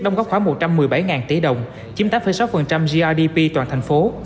đóng góp khoảng một trăm một mươi bảy tỷ đồng chiếm tám sáu grdp toàn thành phố